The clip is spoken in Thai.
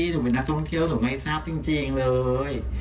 หนูเป็นนักท่องเที่ยวหนูไม่ทราบจริงเลย